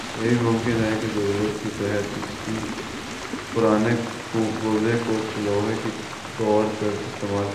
یہ بھی ممکن ہے کہ ضرورت کے تحت کسی پرانے کوزے کو چولہے کے طور پر استعمال کرنے کے لئے رکھ لیا گیا ہو